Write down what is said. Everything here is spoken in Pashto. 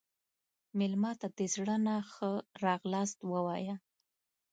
مېلمه ته د زړه نه ښه راغلاست ووایه.